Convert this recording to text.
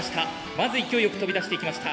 まず勢いよく飛び出していきました